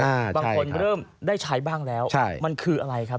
บางคนเริ่มได้ใช้บ้างแล้วใช่มันคืออะไรครับ